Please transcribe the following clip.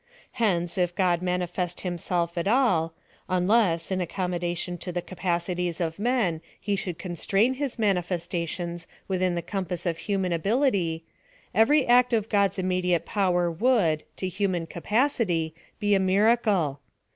Hence, if God manifest himself at all — unless, in accommodation to the capacities of men, he should constrain his manifestations within the compass of human ability — every act of God's immediate power would, to human capacity, be a miracle.